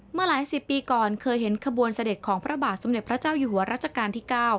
เมื่อหลายสิบปีก่อนเคยเห็นขบวนเสด็จของพระบาทสมเด็จพระเจ้าอยู่หัวรัชกาลที่๙